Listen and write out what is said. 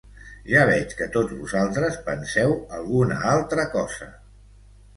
Ja veig que tots vosaltres penseu alguna altra cosa.